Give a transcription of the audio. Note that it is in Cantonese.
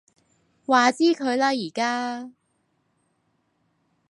話之佢啦而家